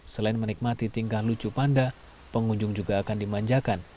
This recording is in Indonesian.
selain menikmati tingkah lucu panda pengunjung juga akan dimanjakan